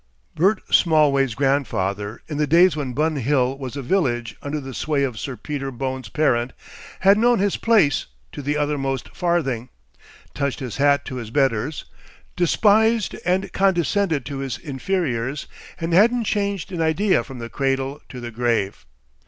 Bert Smallways' grandfather, in the days when Bun Hill was a village under the sway of Sir Peter Bone's parent, had "known his place" to the uttermost farthing, touched his hat to his betters, despised and condescended to his inferiors, and hadn't changed an idea from the cradle to the grave.